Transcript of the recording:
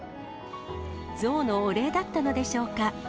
ゾウのお礼だったのでしょうか。